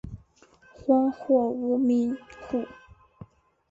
荒或无民户。